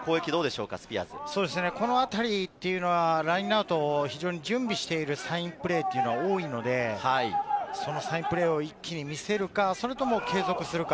このあたりというのはラインアウトを準備しているサインプレーが多いので、サインプレーを一気に見せるか、それとも継続するか。